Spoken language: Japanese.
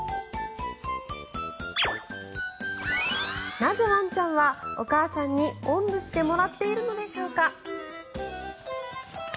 なぜ、ワンちゃんはお母さんにおんぶしてもらっているのでしょうか。